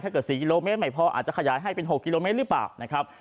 ถ้าเกิด๔กิโลเมตรไม่พออาจจะขยายให้เป็น๖กิโลเมตรหรือเปล่า